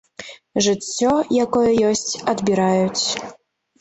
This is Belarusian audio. Жыццё, якое ёсць, адбіраюць.